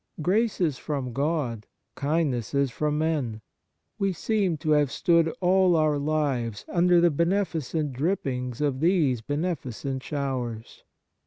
Graces from God, kindnesses from men ; we seem to have stood all our lives under the beneficent drippings of these beneficent showers.